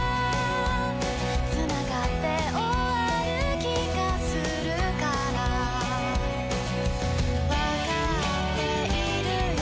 「繋がって終わる気がするから」「わかっているよ」